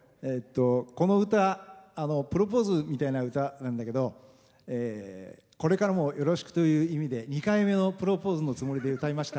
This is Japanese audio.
この歌、プロポーズみたいな歌なんだけどこれからもよろしくという意味で２回目のプロポーズのつもりで歌いました。